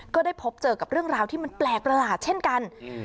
ก็ได้พบเจอกับเรื่องราวที่มันแปลกประหลาดเช่นกันอืม